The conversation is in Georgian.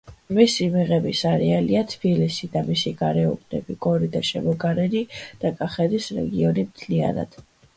მისი მიღების არეალია თბილისი და მისი გარეუბნები; გორი და შემოგარენი და კახეთის რეგიონი მთლიანად.